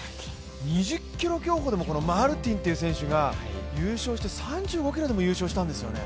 ２０ｋｍ競歩でもマルティンという選手が優勝して３５ｋｍでも優勝したんですよね。